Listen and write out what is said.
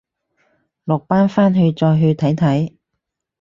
落班翻去再去睇睇